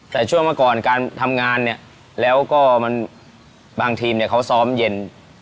แต่ช่วงเมื่อก่อนการทำงานเนี่ยแล้วก็มันบางทีมเนี่ยเขาซ้อมเย็น